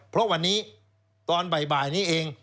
เพราะวันนี้ตอนบ่ายนี้เอง